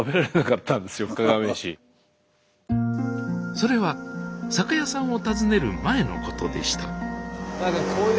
それは酒屋さんを訪ねる前のことでしたなんかこんちは！